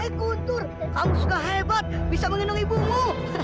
eh guntur kamu sudah hebat bisa mengenang ibumu